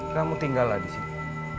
kamu tinggallah di sini